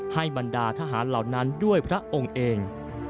บรรดาทหารเหล่านั้นด้วยพระองค์เอง